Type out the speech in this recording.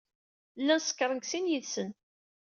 Llan sekṛen deg sin yid-sen.